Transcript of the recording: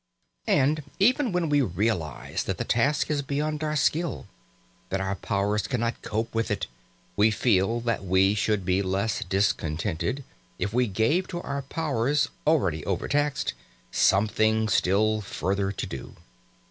And even when we realise that the task is beyond our skill, that our powers cannot cope with it, we feel that we should be less discontented if we gave to our powers, already overtaxed, something still further to do.